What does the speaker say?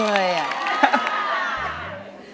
คุณองค์ร้องได้